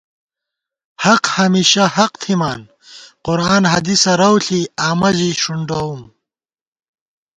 حق ہمیشہ حق تھِمان قرآن حدیثہ رَؤݪی آمہ ژی ݭُنڈَؤم